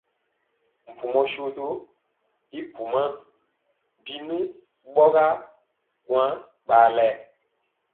Mpumɔ soso i pumaa e binu ɓɔgaa kwaŋ ɓalɛ.